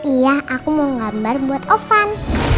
iya aku mau gambar buat ovan